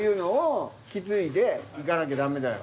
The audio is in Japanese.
行かなきゃダメだよ。